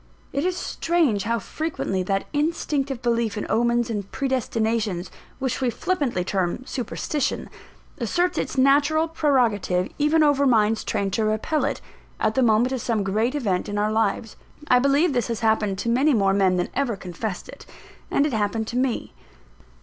It is strange how frequently that instinctive belief in omens and predestinations, which we flippantly term Superstition, asserts its natural prerogative even over minds trained to repel it, at the moment of some great event in our lives. I believe this has happened to many more men than ever confessed it; and it happened to me.